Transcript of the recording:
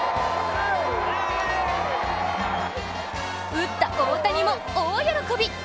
打った大谷も大喜び。